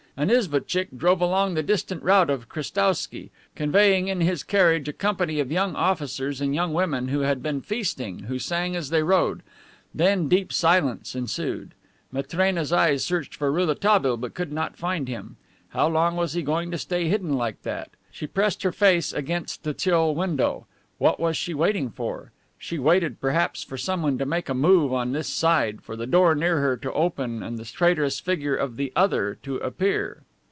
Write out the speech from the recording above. An isvotchick drove along the distant route of Krestowsky, conveying in his carriage a company of young officers and young women who had been feasting and who sang as they rode; then deep silence ensued. Matrena's eyes searched for Rouletabille, but could not find him. How long was he going to stay hidden like that? She pressed her face against the chill window. What was she waiting for? She waited perhaps for someone to make a move on this side, for the door near her to open and the traitorous figure of The Other to appear.